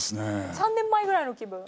３年前ぐらいの気分。